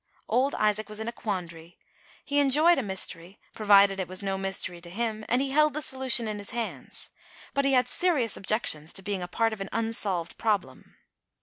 Old Isaac was in a quandary. He enjoyed a mys tery, provided it was no mystery to him, and he held the solution in his hands; but he had seri ous objections to being a part of an unsolved problem.